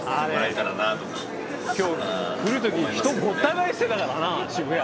きょう、来るとき人がごった返してたからな。